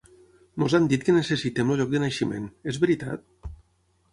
Ens han dit que necessitem el lloc de naixement, és veritat?